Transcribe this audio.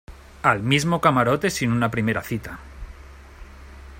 al mismo camarote sin una primera cita.